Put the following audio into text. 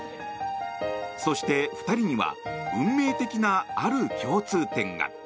そして２人には運命的なある共通点が。